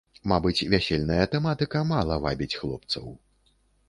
Мабыць, вясельная тэматыка мала вабіць хлопцаў.